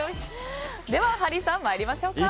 では、ハリーさん参りましょうか。